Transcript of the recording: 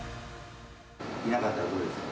いなかったらどうですか？